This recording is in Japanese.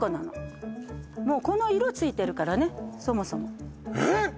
もうこの色ついてるからねそもそもえっ！？